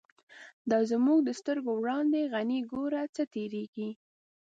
دا زمونږ د سترگو وړاندی، «غنی » گوره څه تیریږی